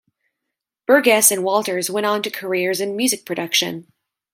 Burgess and Walters went on to careers in music production.